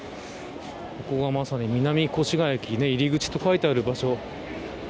ここがまさに南越谷駅入り口と書いてある場所。